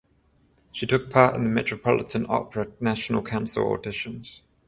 She took part in the Metropolitan Opera National Council Auditions.